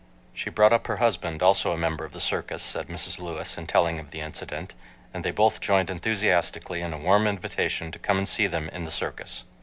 "She brought up her husband, also a member of the circus," said Mrs. Lewis in telling of the incident, "and they both joined enthusiastically in a warm invitation to come and see them in the circus."